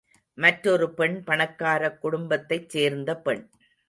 மற்றொரு பெண் பணக்காரக் குடும்பத்தைச் சேர்ந்த பெண்.